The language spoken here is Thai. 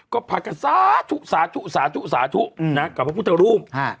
ก็ฝากสาชุสาชุสาชุสาชุนะครับพระพุทธรูปฮะ